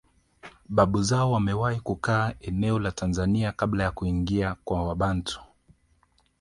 Babu zao wamewahi kukaa eneo la Tanzania kabla ya kuingia kwa Wabantu